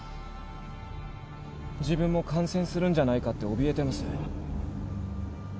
自分も感染するんじゃないかっておびえてます。